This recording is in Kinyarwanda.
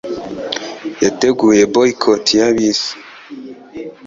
Yateguye boycott ya bisi.